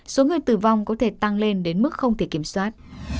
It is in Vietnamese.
số người tử vong có thể tăng lên đến mức không thể kiểm soát